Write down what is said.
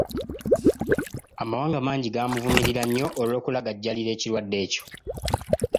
Amawanga mangi gamuvumirira nnyo olw'okulagajjalira ekirwadde ekyo.